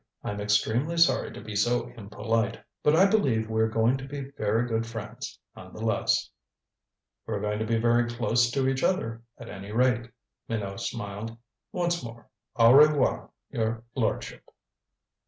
"I'm extremely sorry to be so impolite. But I believe we're going to be very good friends, none the less." "We're going to be very close to each other, at any rate," Minot smiled. "Once more au revoir, your lordship."